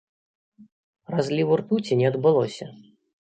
Разліву ртуці не адбылося.